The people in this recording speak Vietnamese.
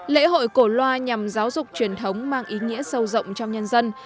lễ hội cổ loa nhằm giáo dục truyền thống mang ý nghĩa sâu rộng trong nhân dân